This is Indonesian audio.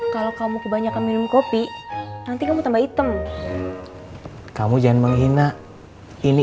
kalau kamu kebanyakan minum kopi nanti kamu tambah item kamu jangan menghina ini